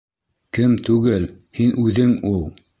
— Кем түгел, һин үҙең ул!